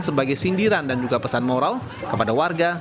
sebagai sindiran dan juga pesan moral kepada warga